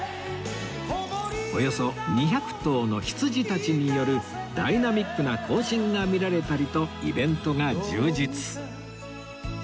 およそ２００頭の羊たちによるダイナミックな行進が見られたりとイベントが充実